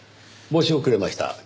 申し遅れました。